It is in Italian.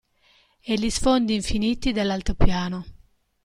E gli sfondi infiniti dell'altipiano.